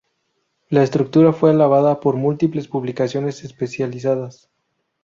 La estructura fue alabada por múltiples publicaciones especializadas.